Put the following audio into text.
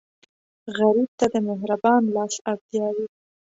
غریب ته د مهربان لاس اړتیا وي